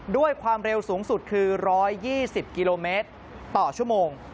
ด้วยความเร็วสูงสุดคือ๑๒๐กิโลเมตรต่อชั่วโมง